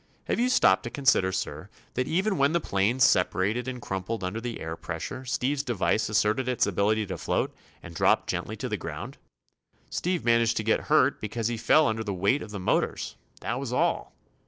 Have you stopped to consider, sir, that even when the planes separated and crumpled under the air pressure Steve's device asserted its ability to float, and dropped gently to the ground? Steve managed to get hurt because he fell under the weight of the motors; that was all.